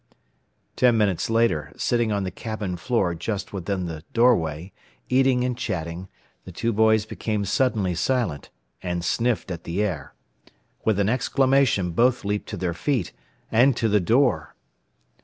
Ten minutes later, sitting on the cabin floor just within the doorway, eating and chatting, the two boys became suddenly silent, and sniffed at the air. With an exclamation both leaped to their feet, and to the door.